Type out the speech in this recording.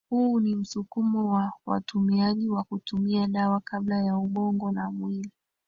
huu ni msukumo wa watumiaji wa kutumia dawa kabla ya ubongo na mwili